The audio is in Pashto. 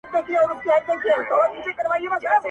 • ګاونډيان راټولېږي او د پېښې خبري کوي ډېر..